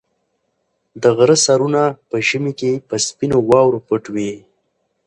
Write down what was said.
د غره سرونه په ژمي کې په سپینو واورو پټ وي.